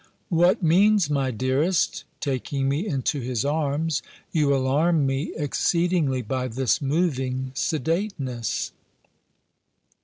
"What means my dearest?" taking me into his arms. "You alarm me exceedingly, by this moving sedateness."